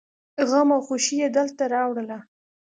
غم او خوښي يې دلته راوړله.